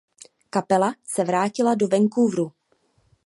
Kapela se vrátila do Vancouveru.